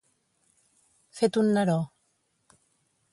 Fet un Neró.